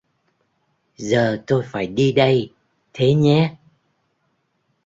Giờ tôi phải đi đây Thế nhé